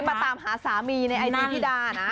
มาตามหาสามีในไอจีพี่ดานะ